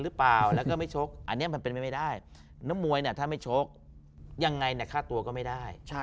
แล้วมวยถ้าไม่ชกยังไงฆ่าตัวก็ไม่ได้